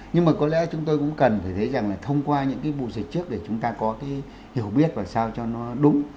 nhưng mà có lẽ chúng tôi cũng cần phải thấy rằng là thông qua những cái vụ dịch trước để chúng ta có cái hiểu biết và sao cho nó đúng